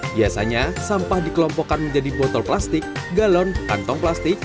biasanya sampah dikelompokkan menjadi botol plastik galon kantong plastik